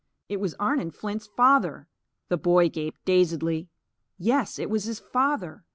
It was Arnon Flint's father. The boy gaped dazedly. Yes, it was his father.